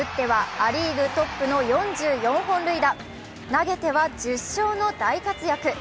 ア・リーグトップの４４本塁打、投げては１０勝の大活躍。